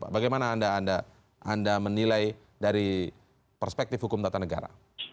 bagaimana anda menilai dari perspektif hukum tata negara